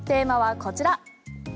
テーマはこちら。